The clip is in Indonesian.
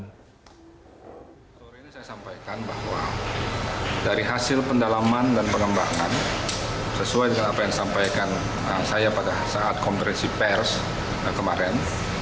sore ini saya sampaikan bahwa dari hasil pendalaman dan pengembangan sesuai dengan apa yang disampaikan saya pada saat konferensi pers kemarin